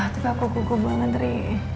tapi aku gugup banget ri